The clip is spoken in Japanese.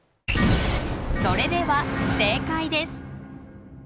それでは正解です。